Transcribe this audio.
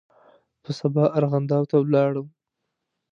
په سبا ارغنداو ته ولاړم.